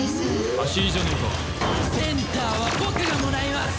センターは僕がもらいます！